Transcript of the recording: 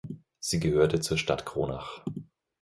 Sie gehörte zur Stadt Kronach.